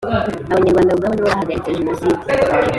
abanyarwanda ubwabo ni bo bahagaritse jenoside